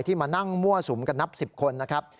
มานั่งมั่วสุมกันนับ๑๐คนนะครับ